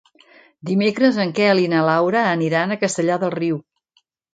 Dimecres en Quel i na Laura aniran a Castellar del Riu.